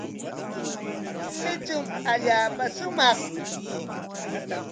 Luychum allaapa shumaq.